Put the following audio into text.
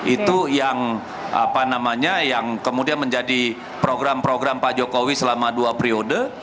itu yang kemudian menjadi program program pak jokowi selama dua periode